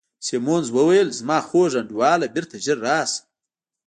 سیمونز وویل: زما خوږ انډیواله، بیرته ژر راشه.